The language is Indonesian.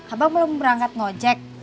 abang belum berangkat ngejek